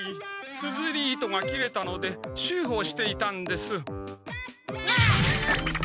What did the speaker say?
つづり糸が切れたのでしゅうほをしていたんです。